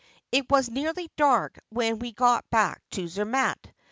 It was nearly dark when we got back to Zermatt.